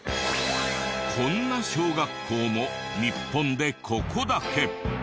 こんな小学校も日本でここだけ。